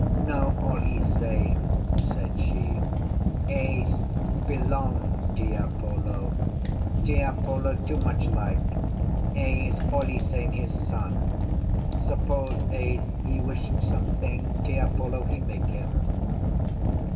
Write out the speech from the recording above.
"No all e same," said she. "Ese belong Tiapolo; Tiapolo too much like; Ese all e same his son. Suppose Ese he wish something, Tiapolo he make him."